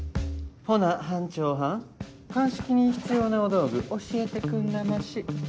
ほな班長はん鑑識に必要なお道具教えてくんなまし。